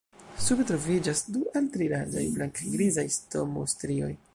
Sube troviĝas du al tri larĝaj blank-grizaj stomo-strioj.